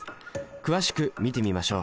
詳しく見てみましょう。